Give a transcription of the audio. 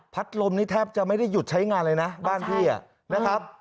ลมนี่แทบจะไม่ได้หยุดใช้งานเลยนะบ้านพี่นะครับ